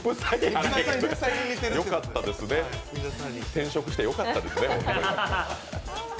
転職してよかったですね。